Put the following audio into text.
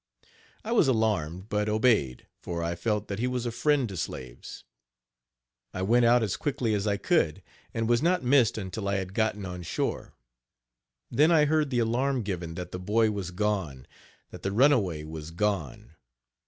I was alarmed, but obeyed, for I felt that he was a friend to slaves. I went out as quietly as I could, and was not missed until I had gotten on shore. Then I heard the alarm given that the boy was gone that the runaway was gone.